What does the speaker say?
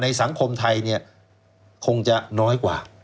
สังคมไทยเนี่ยคงจะน้อยกว่า